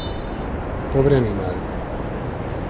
Pobre animal.